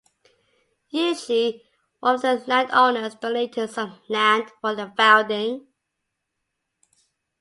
Usually one of the land owners donated some land for the founding.